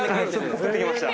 作ってきました。